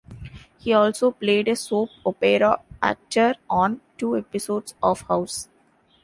He also played a soap opera actor on two episodes of "House".